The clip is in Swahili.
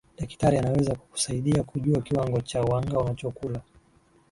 dakitari anaweza kukusaidia kujua kiwango cha wanga unachokula